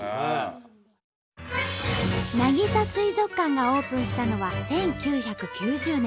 なぎさ水族館がオープンしたのは１９９０年。